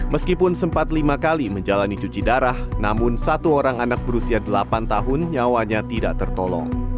meskipun sempat lima kali menjalani cuci darah namun satu orang anak berusia delapan tahun nyawanya tidak tertolong